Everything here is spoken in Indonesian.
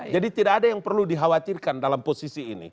jadi tidak ada yang perlu dikhawatirkan dalam posisi ini